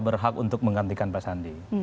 berhak untuk menggantikan pak sandi